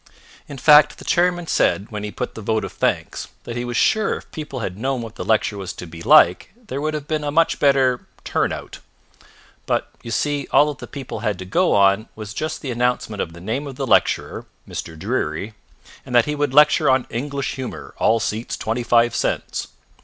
In fact the chairman said when he put the vote of thanks that he was sure if people had known what the lecture was to be like there would have been a much better "turn out." But you see all that the people had to go on was just the announcement of the name of the lecturer, Mr. Dreery, and that he would lecture on English Humour All Seats Twenty five Cents.